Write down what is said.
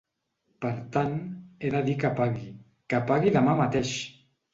Per tant, he de dir que pagui, que pagui demà mateix!